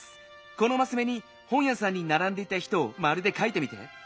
このマスめにほんやさんにならんでいた人をまるでかいてみて。